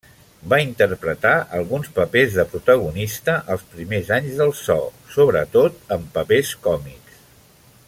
Va interpretar alguns papers de protagonista els primers anys del so, sobretot en papers còmics.